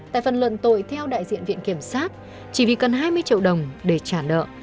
tại phần luận tội theo đại diện viện kiểm sát chỉ vì cần hai mươi triệu đồng để trả nợ